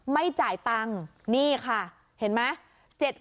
ไม่จ่ายตังค์นี่ค่ะเห็นไหม